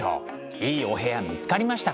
いいお部屋見つかりましたか？